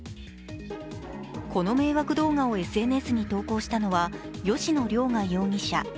この迷惑動画をＳＮＳに投稿したのは吉野凌雅容疑者。